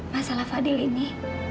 masalah fadil ini